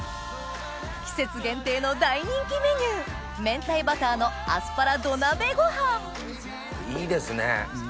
季節限定の大人気メニュー明太バターのアスパラ土鍋ご飯いいですね。